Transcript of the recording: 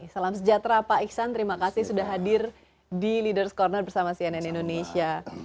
salam sejahtera pak iksan terima kasih sudah hadir di leaders' corner bersama cnn indonesia